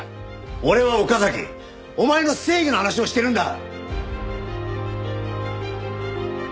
俺は岡崎お前の正義の話をしてるんだ！